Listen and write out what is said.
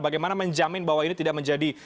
bagaimana menjamin bahwa ini tidak menjadi